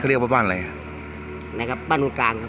คือบานหลังกลาง